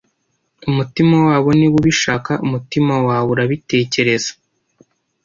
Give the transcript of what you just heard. umutima wabo niba ubishaka umutima wawe urabitekereza